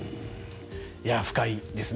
深いですね。